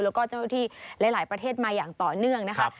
แล้วก็เจ้าหน้าที่หลายประเทศมาอย่างต่อเนื่องนะคะ